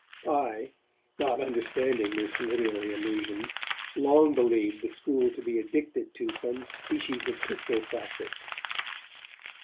I, not understanding this literary allusion, long believed the school to be addicted to some species of pistol practice.